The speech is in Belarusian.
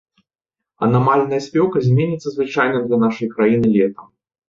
Анамальная спёка зменіцца звычайным для нашай краіны летам.